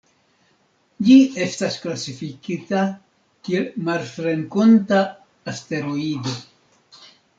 Ĝi estas klasifikita kiel marsrenkonta asteroido.